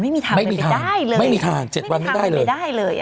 ไม่มีทางเลยไม่มีทาง๗วันไม่ได้เลย